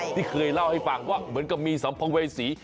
ที่เคยเล่าให้ฟังว่าเหมือนกับมีสัมภเวษี